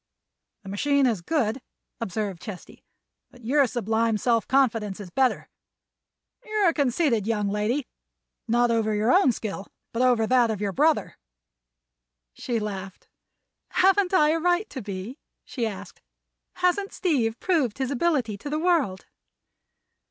"The machine is good," observed Chesty, "but your sublime self confidence is better. You're a conceited young lady—not over your own skill, but over that of your brother." She laughed. "Haven't I a right to be?" she asked. "Hasn't Steve proved his ability to the world?"